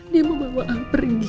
dia mau bawa al pergi